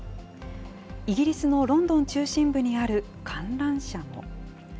イギリスのロンドン中心部にある観覧車も。